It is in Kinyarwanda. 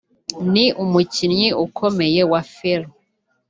Ni umukinnyi ukomeye wa film